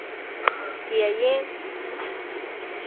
也因黄河在咸丰五年的大改道而衰败。